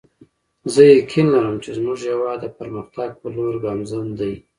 زه یقین لرم چې زموږ هیواد د پرمختګ په لور ګامزن دی